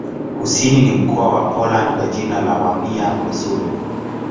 Kusini ni mkoa wa Poland kwa jina la Warmia-Masuria.